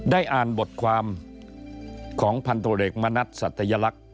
ได้อ่านบทความของพันธุเอกมณัฐสัตยลักษณ์